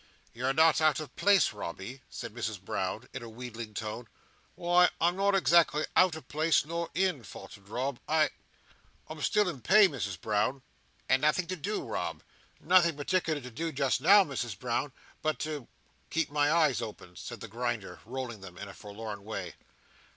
"You're not out of place, Robby?" said Mrs Brown, in a wheedling tone. "Why, I'm not exactly out of place, nor in," faltered Rob. "I—I'm still in pay, Misses Brown." "And nothing to do, Rob?" "Nothing particular to do just now, Misses Brown, but to—keep my eyes open," said the Grinder, rolling them in a forlorn way.